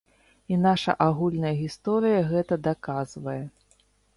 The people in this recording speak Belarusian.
І наша агульная гісторыя гэта даказвае.